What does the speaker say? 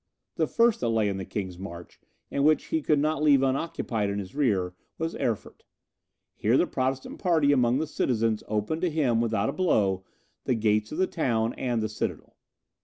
The first that lay in the king's march, and which he could not leave unoccupied in his rear, was Erfurt. Here the Protestant party among the citizens opened to him, without a blow, the gates of the town and the citadel.